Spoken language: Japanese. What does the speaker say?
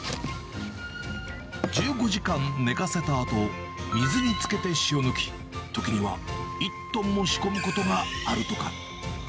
１５時間寝かせたあと、水につけて塩抜き、時には１トンも仕込むこともあるとか。